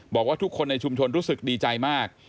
บอกว่าทุกคนในชุมชนรู้สึกดีใจมาก